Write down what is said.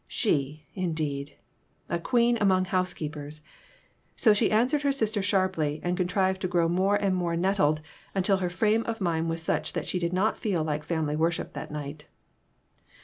She, indeed ! A queen among housekeepers ! So she answered her sister sharply, and contrived to grow more and more nettled until her frame of mind was such that she did not feel like family worship that night.